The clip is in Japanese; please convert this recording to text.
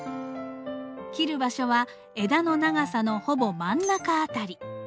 切る場所は枝の長さのほぼ真ん中辺り。